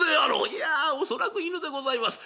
「いや恐らく犬でございます。